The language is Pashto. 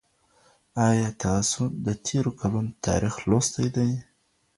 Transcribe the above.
ایا تاسو د تېرو کلونو تاریخ لوستی دی؟